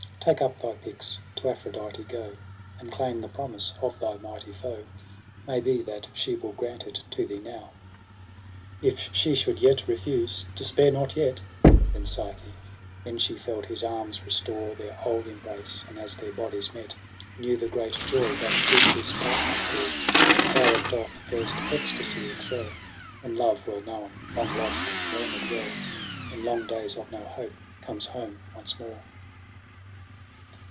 Take up thy pyx • to Aphrodite go. And claim the promise of thy mighty focj Maybe that she will grant it to thee now. 2o8 EROS ^ PSYCHE 9 ' If she should yet refuse, despair not yet !' Then Psyche, when she felt his arms restore Their old embrace, and as their bodies met. Knew the great joy that grief is pardon'd for ; And how it doth first ecstasy excel. When love well known, long lost, and mourned well In long days of no hope, comes home once more.